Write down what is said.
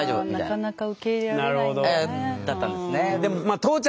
あなかなか受け入れられないんだね。